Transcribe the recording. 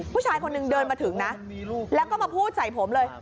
ผู้ชายคนนึงเดินมาถึงนะแล้วก็มาพูดใส่ผมเลย